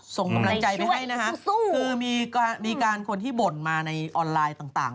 ส่งกำลังใจไปให้นะฮะคือมีการคนที่บ่นมาในออนไลน์ต่าง